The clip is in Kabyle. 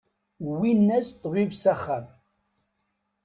Wwin-as-d ṭṭbib s axxam.